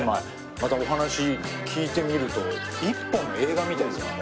またお話聞いてみると１本の映画みたいですね。